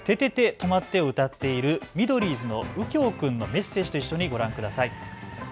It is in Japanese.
とまって！を歌っているミドリーズのうきょう君のメッセージと一緒にご覧ください。